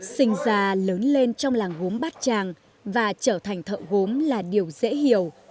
sinh ra lớn lên trong làng gốm bát tràng và trở thành thợ gốm là điều dễ hiểu